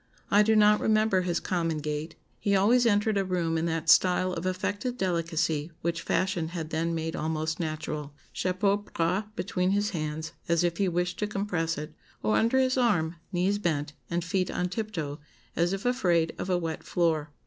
I do not remember his common gait; he always entered a room in that style of affected delicacy which fashion had then made almost natural chapeau bras between his hands, as if he wished to compress it, or under his arm, knees bent, and feet on tiptoe, as if afraid of a wet floor.